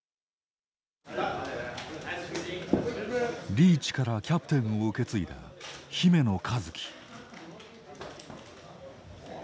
リーチからキャプテンを受け継いだ姫野和樹。